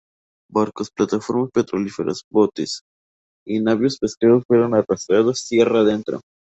Barcos, plataformas petrolíferas, botes y navíos pesqueros fueron arrastrados tierra adentro.